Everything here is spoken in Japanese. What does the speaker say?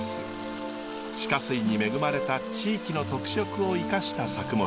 地下水に恵まれた地域の特色を生かした作物です。